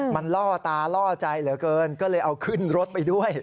มันล่อตาล่อใจเหลือเกินก็เลยเอาขึ้นรถไปด้วย